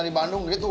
di bandung gitu